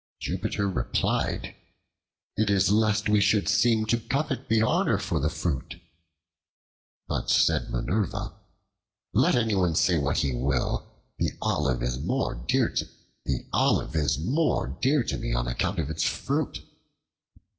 Jupiter replied, "It is lest we should seem to covet the honor for the fruit." But said Minerva, "Let anyone say what he will the olive is more dear to me on account of its fruit."